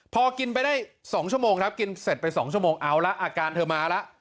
พอกินไปได้๒ชั่วโมงครับกินเสร็จไป๒ชั่วโมงเอาละอาการเธอมาแล้ว